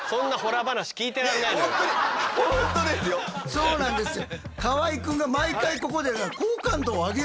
そうなんですよ。